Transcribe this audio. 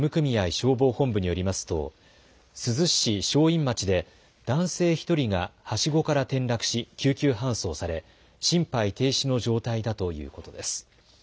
消防本部によりますと珠洲市正院町で男性１人がはしごから転落し救急搬送され心配停止の状態だということです。